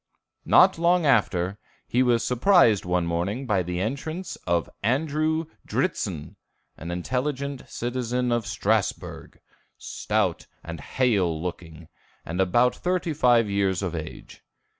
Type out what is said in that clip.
Not long after, he was surprised one morning by the entrance of Andrew Dritzhn, an intelligent citizen of Strasbourg, stout and hale looking, and about thirty five years of age.